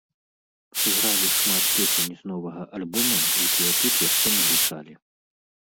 Сыгралі шмат песень з новага альбома, якія тут яшчэ не гучалі.